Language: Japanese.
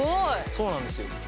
そうなんですよ。